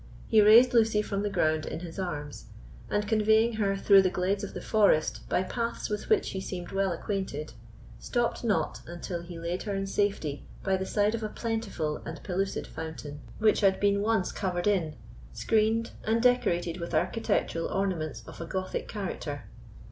He raised Lucy from the ground in his arms, and conveying her through the glades of the forest by paths with which he seemed well acquainted, stopped not until he laid her in safety by the side of a plentiful and pellucid fountain, which had been once covered in, screened and decorated with architectural ornaments of a Gothic character.